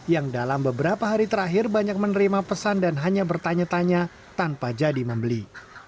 yang di terakhir banyak menerima pesan dan hanya bertanya tanya tanpa jadi membeli